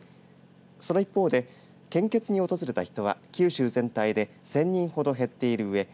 その一方で献血に訪れた人は九州全体で１０００人ほど減っているうえ